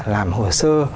làm hồ sơ